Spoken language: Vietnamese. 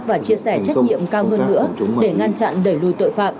và chia sẻ trách nhiệm cao hơn nữa để ngăn chặn đẩy lùi tội phạm